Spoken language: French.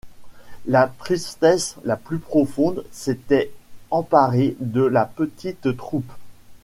La tristesse la plus profonde s’était emparée de la petite troupe.